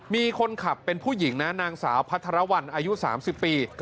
มีคนขับเป็นผู้หญิงนะนางสาวพัทรวรรณอายุ๓๐ปี